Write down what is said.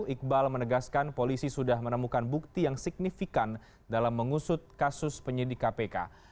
iqbal menegaskan polisi sudah menemukan bukti yang signifikan dalam mengusut kasus penyidik kpk